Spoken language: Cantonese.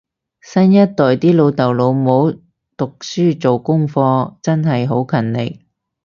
新一代啲老豆老母讀書做功課真係好勤力